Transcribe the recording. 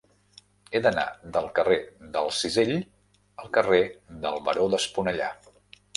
He d'anar del carrer del Cisell al carrer del Baró d'Esponellà.